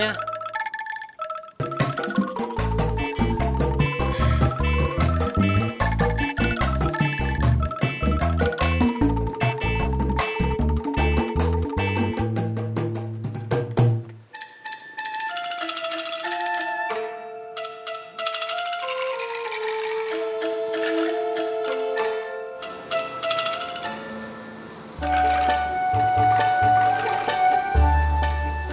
gak ada apa apa